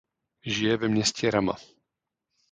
Žije ve městě Rama.